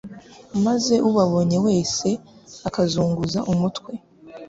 maze ubabonye wese akazunguza umutwe